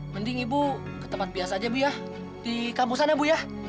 mending ibu ke tempat biasa aja bu ya di kampus sana bu ya